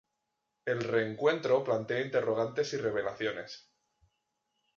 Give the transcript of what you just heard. El reencuentro plantea interrogantes y revelaciones.